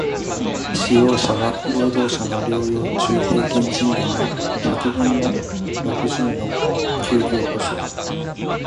使用者は、労働者の療養中平均賃金の百分の六十の休業補償